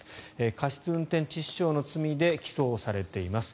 過失運転致死傷の罪で起訴されています。